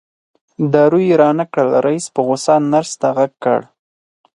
دارو یې رانه کړل رئیس په غوسه نرس ته غږ کړ.